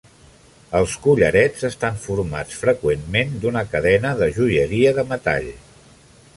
Els collarets estan formats freqüentment d'una cadena de joieria de metall.